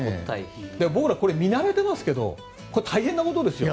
僕ら、見慣れてますけどこれ、大変なことですよ。